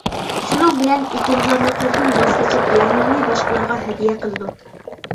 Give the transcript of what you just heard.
شۇنىڭ بىلەن ئېكىنزارلىقلىرىدىن ۋاز كېچىپ، يەرلىرىنى باشقىلارغا ھەدىيە قىلىدۇ.